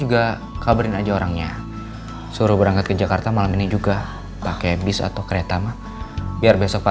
gak boleh sampai terluka